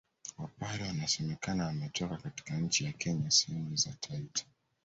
Wapare wanasemekana wametoka katika nchi ya Kenya sehemu za Taita